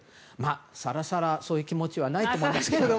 さらさら、そういう気持ちはないと思いますが。